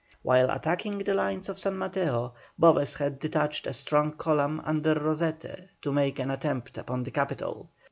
While attacking the lines of San Mateo, Boves had detached a strong column under Rosete to make an attempt upon the capital.